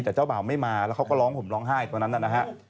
แต่เจ้าบ่าวไม่มาแล้วเขาก็ร้องห่มร้องไห้ตอนนั้นนะฮะ